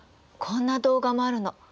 こんな動画もあるの。